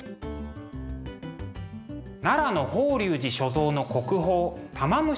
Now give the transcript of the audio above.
奈良の法隆寺所蔵の国宝「玉虫厨子」です。